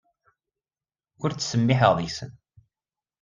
Ur ttsemmiḥeɣ deg-sen.